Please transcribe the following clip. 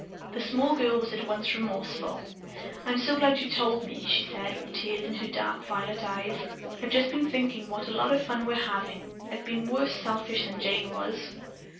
The small girl was at once remorseful. "I'm so glad you told me," she said with tears in her dark violet eyes. "I've just been thinking what a lot of fun we're having. I've been worse selfish than Jane was."